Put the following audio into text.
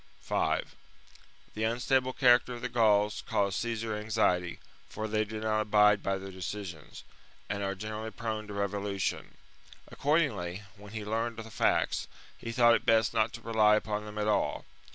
5. The unstable character of the Gauls caused a remark r^ ' r 1 1 1 • 1 1 1 •^^^^ Gallic Caesar anxiety, for they do not abide by their custom. decisions, and are generally prone to revolution : accordingly, when he learned the facts, he thought it best not to rely upon them at all.